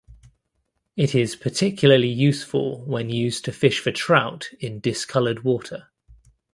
It is particularly useful when used to fish for trout in discolored water.